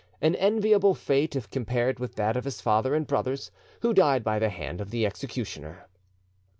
An enviable fate, if compared with that of his father and brothers, who died by the hand of the executioner.